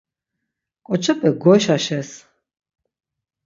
Ǩoçepe goyşaşes.